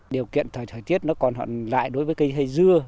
điều kiện thời tiết nó còn hoạn lại đối với cây hay dưa